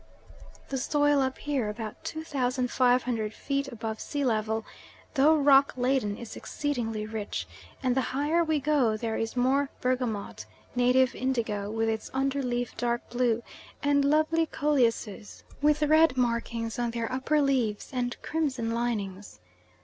The soil up here, about 2,500 feet above sea level, though rock laden is exceedingly rich, and the higher we go there is more bergamot, native indigo, with its underleaf dark blue, and lovely coleuses with red markings on their upper leaves, and crimson linings.